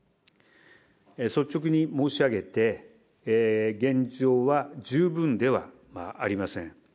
率直に申し上げて、現状は十分ではありません。